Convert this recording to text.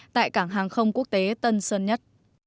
tại cảng hàng không quốc tế tân sơn nhất